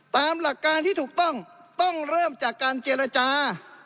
ตามหลักการที่ถูกต้องต้องเริ่มจากการเจรจา